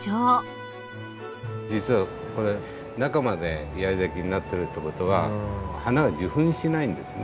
実はこれ中まで八重咲きになってるって事は花が受粉しないんですね。